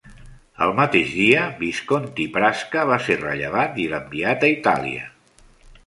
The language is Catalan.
El mateix dia, Visconti Prasca va ser rellevat i enviat a Itàlia.